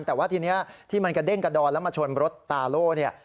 แต่ว่าทีนี้ที่มันกระเด้งกระดอนแล้วมาชนรถตาโล่เนี่ย